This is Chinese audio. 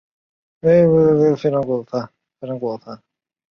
格雷的学术研究范围非常广泛。